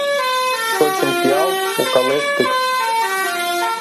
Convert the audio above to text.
Шочын пиал укалеш тык